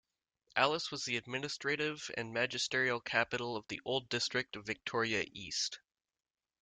Alice was the administrative and magisterial capital of the old district of Victoria East.